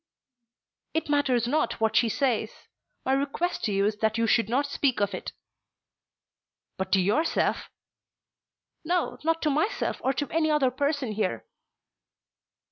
"It matters not what she says. My request to you is that you should not speak of it." "But to yourself!" "No, not to myself or to any other person here."